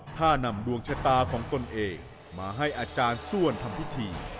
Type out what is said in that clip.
ถ้านำดวงชะตาของตนเองมาให้อาจารย์ส้วนทำพิธี